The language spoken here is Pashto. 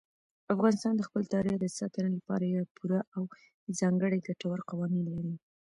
افغانستان د خپل تاریخ د ساتنې لپاره پوره او ځانګړي ګټور قوانین لري.